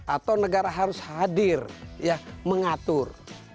atau negara harus hadir ya mengatur